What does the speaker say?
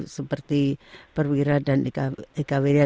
seperti perwira dan ika wiria